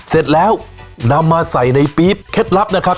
เสร็จแล้วนำมาใส่ในปี๊บเคล็ดลับนะครับ